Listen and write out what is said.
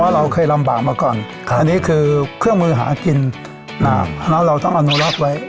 เราเคยลำบากมาก่อนอันนี้คือเครื่องมือหากินนะครับแล้วเราต้องอนุรักษ์ไว้